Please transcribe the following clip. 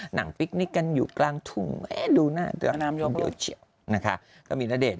หนังฟิกนิกกันอยู่กลางทุ่มดูหน้าเดี๋ยวนะคะก็มีณเดช